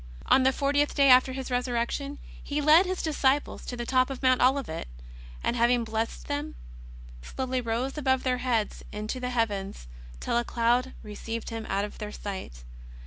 On the fortieth day after His Resurrection, He led His disci ples to the top of Mount Olivet, and having blessed them, slowly rose above their heads into the heavens till a cloud received Him out of their sight.